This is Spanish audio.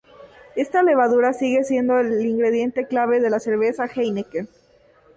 Esta levadura sigue siendo el ingrediente clave de la cerveza Heineken.